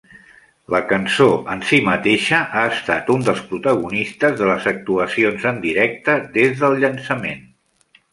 La cançó en si mateixa ha estat un dels protagonistes de les actuacions en directe des del llançament.